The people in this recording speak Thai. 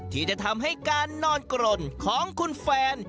ที่จะทำให้การนอนกรนของคุณแฟน